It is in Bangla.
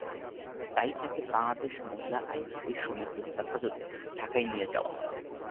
তাই তাকে বাংলাদেশ মহিলা আইনজীবী সমিতির হেফাজতে ঢাকায় নিয়ে যাওয়া হয়।